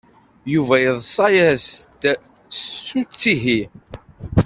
Yuba yeḍsa-d s uttihi.